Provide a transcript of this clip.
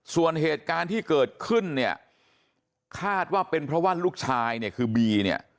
ส่วนเหตุการณ์ที่เกิดขึ้นเนี่ยคาดว่าเป็นเพราะว่าลูกชายเนี่ยคือบีเนี่ย